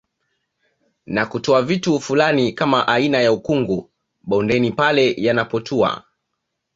Na kutoa vitu fulani kama aina ya ukungu bondeni pale yanapotua